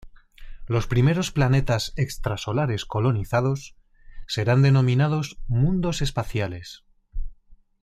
Los primeros planetas extra-solares colonizados serán denominados "Mundos Espaciales".